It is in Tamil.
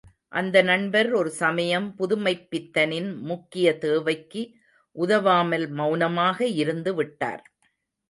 அந்த நண்பர் ஒரு சமயம் புதுமைப்பித்தனின் முக்கிய தேவைக்கு உதவாமல் மெளனமாக இருந்து விட்டார்.